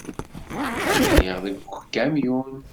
Ad iliɣ deg ukamyun.